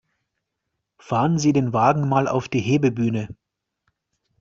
Fahren Sie den Wagen mal auf die Hebebühne!